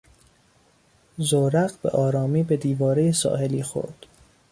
زورق به آرامی به دیوارهی ساحلی خورد.